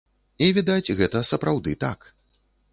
І відаць, гэта сапраўды так.